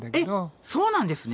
えっそうなんですね。